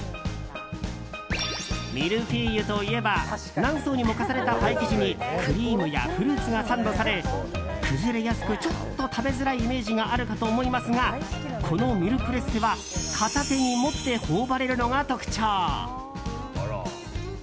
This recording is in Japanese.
ミルフィーユといえば何層にも重ねたパイ生地にクリームやフルーツがサンドされ崩れやすく、ちょっと食べづらいイメージがあるかと思いますがこのミルプレッセは片手に持って頬張れるのが特徴。